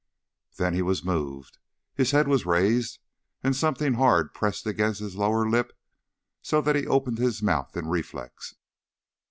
Then he was moved, his head was raised, and something hard pressed against his lower lip so that he opened his mouth in reflex.